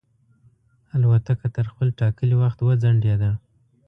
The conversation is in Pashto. الوتکه تر خپل ټاکلي وخت وځنډېده.